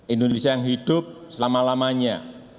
indonesia yang hidup selama lamanya